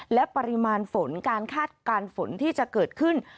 และปริมาณฝนการคาดการณ์ฝนที่จะเกิดขึ้น